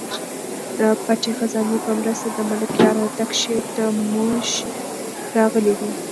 د پټې خزانې په مرسته د ملکیار هوتک شعر تر موږ راغلی دی.